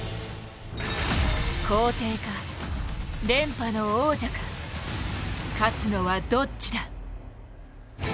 皇帝か、連覇の王者か、勝つのはどっちだ。